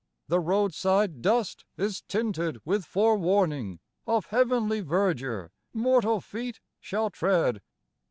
The roadside dust is tinted with forewarning Of heavenly verdure mortal feet shall tread.